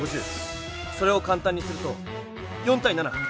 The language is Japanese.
それをかんたんにすると４対７。